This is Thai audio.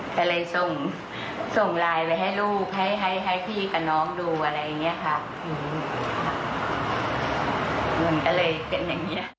ก็เลยส่งไลน์ไว้ให้ลูกให้พี่กับน้องดูอะไรอย่างนี้ค่ะ